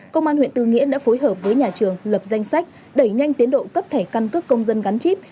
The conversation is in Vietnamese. công an huyện tư nghĩa đã phối hợp với nhà trường lập danh sách đẩy nhanh tiến độ cấp thẻ căn cước công dân gắn chip